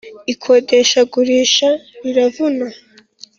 ikodeshagurisha riravuna